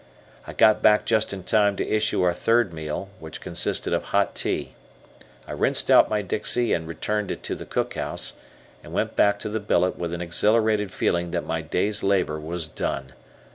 I got back just in time to issue our third meal, which consisted of hot tea, I rinsed out my dixie and returned it to the cookhouse, and went back to the billet with an exhilarated feeling that my day's labor was done.